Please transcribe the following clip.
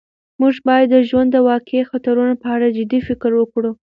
موږ باید د ژوند د واقعي خطرونو په اړه جدي فکر وکړو.